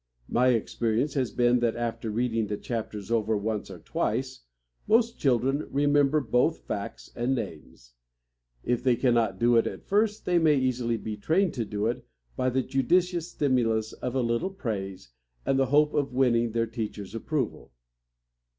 My experience has been that after reading the chapters over once or twice most children remember both facts and names. If they cannot do it at first, they may easily be trained to do it by the judicious stimulus of a little praise, and the hope of winning their teacher's approval.